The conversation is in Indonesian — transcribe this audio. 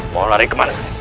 mau lari kemana